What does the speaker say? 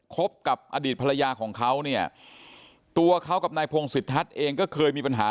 บกับอดีตภรรยาของเขาเนี่ยตัวเขากับนายพงศิษทัศน์เองก็เคยมีปัญหา